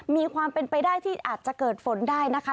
มีความเป็นไปได้ที่อาจจะเกิดฝนได้นะคะ